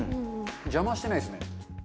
邪魔はしてないですね。